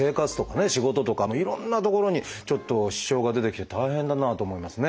仕事とかいろんなところにちょっと支障が出てきて大変だなと思いますね。